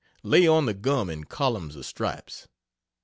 Lay on the gum in columns of stripes.